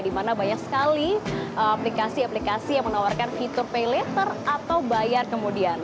di mana banyak sekali aplikasi aplikasi yang menawarkan fitur pay later atau bayar kemudian